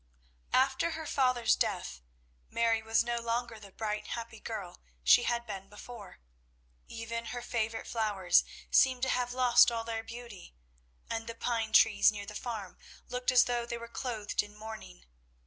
After her father's death, Mary was no longer the bright happy girl she had been before. Even her favourite flowers seemed to have lost all their beauty, and the pine trees near the farm looked as though they were clothed in mourning.